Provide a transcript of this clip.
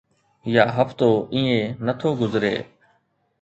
يا هفتو ائين نه ٿو گذري